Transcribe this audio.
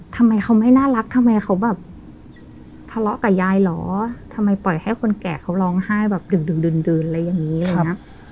ทำไมเขาไม่น่ารักทำไมเขาแบบทะเลาะกับยายเหรอทำไมปล่อยให้คนแก่เขาร้องไห้แบบดึกดื่นอะไรอย่างนี้